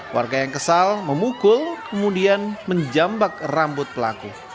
warga yang kesal memukul kemudian menjambak rambut pelaku